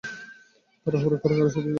তাড়াহুড়ো করে কারো সাথে দেখা করতে যাচ্ছিল।